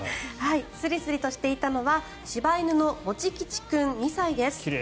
スリスリしていたのは柴犬のもち吉君、２歳です。